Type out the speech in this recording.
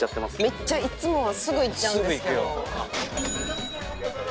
めっちゃいっつもはすぐいっちゃうんですけど。